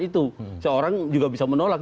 itu seorang juga bisa menolak